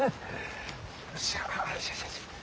よっしゃ。